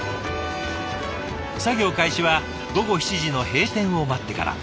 作業開始は午後７時の閉店を待ってから。